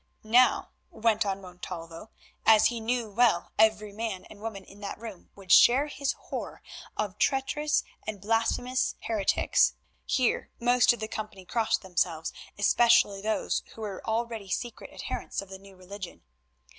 Now, went on Montalvo, as he knew well, every man and woman in that room would share his horror of traitorous and blasphemous heretics—here most of the company crossed themselves, especially those who were already secret adherents of the New Religion.